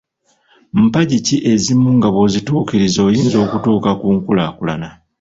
Mpagi ki ezimu nga bw'ozituukiriza oyinza okutuuka ku nkulaakulana?